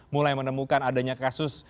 mulai menemukan adanya kasus